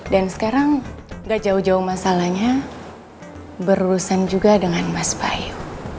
dan sekarang gak jauh jauh masalahnya berurusan juga dengan mas bayu